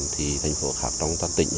thì thành phố khác trong toàn tỉnh